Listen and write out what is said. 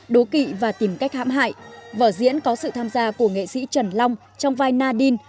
đố kị và tìm cách hãm hại vở diễn có sự tham gia của nghệ sĩ trần long trong vai nadin